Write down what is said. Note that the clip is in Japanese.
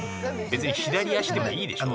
別に左足でもいいでしょ？